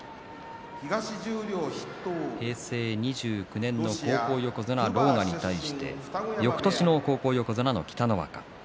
平成２９年の高校横綱の狼雅に対してよくとしの高校横綱の北の若。